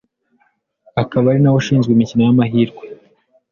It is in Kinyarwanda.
akaba ari nawe ushinzwe imikino y’amahirwe